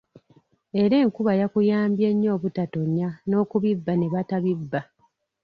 Era enkuba yakuyambye nnyo obutatonya n’okubibba ne batabibba!